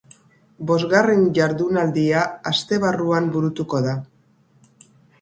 Bosgarren jardunaldia astebarruan burutuko da.